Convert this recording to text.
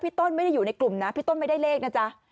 ต้นไม่ได้อยู่ในกลุ่มนะพี่ต้นไม่ได้เลขนะจ๊ะ